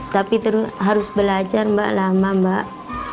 tapi harus belajar mbak lama mbak